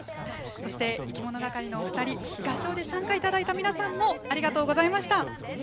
そしていきものがかりのお二人合唱で参加いただいた皆さんもありがとうございました。